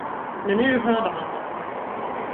Men nu hörde han honom.